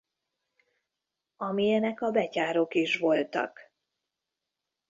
Amilyenek a betyárok is voltak.